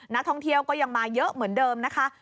นักท่องเที่ยวก็ยังมาเยอะเหมือนเดิมนะคะ